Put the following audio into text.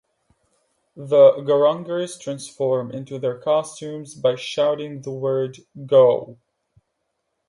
The Gorengers transform into their costumes by shouting the word "Go!".